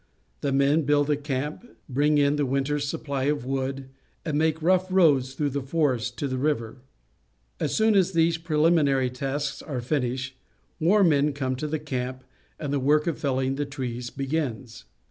The men build a camp, bring in the winter's supply of wood, and make rough roads through the forest to the river. As soon as these preliminary tasks are finished, more men come to tlae camp, and the work of felling the trees begins.